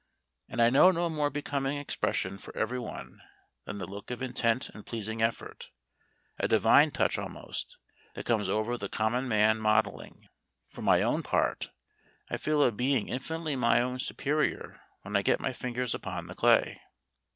And I know no more becoming expression for everyone than the look of intent and pleasing effort a divine touch almost that comes over the common man modelling. For my own part, I feel a being infinitely my own superior when I get my fingers upon the clay.